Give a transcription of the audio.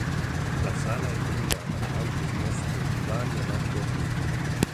La sala è illuminata da alte finestre ogivali ad arco acuto.